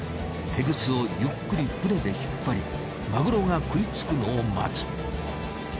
テグスをゆっくり船で引っ張りマグロが喰いつくのを待つ。